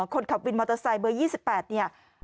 คนขับวินมอเตอร์ไซค์เบอร์๒๘เนี่ย